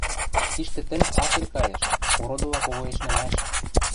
Тиштӹ тӹнг акел кайыш: ородыла когоэшнӹмӓш.